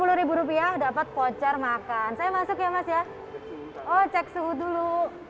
hai sepuluh rupiah dapat pocar makan saya masuk ya mas ya oh cek suhu dulu